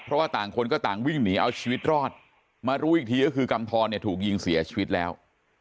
เพราะว่าต่างคนก็ต่างวิ่งหนีเอาชีวิตรอดมารู้อีกทีก็คือกำทรเนี่ยถูกยิงเสียชีวิตแล้ว